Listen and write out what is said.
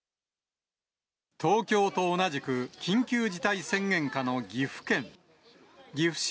東京と同じく緊急事態宣言下の岐阜県。